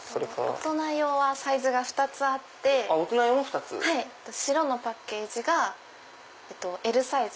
大人用はサイズが２つあって白のパッケージがＬサイズ